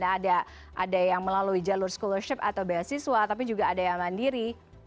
ada yang melalui jalur scholarship atau beasiswa tapi juga ada yang mandiri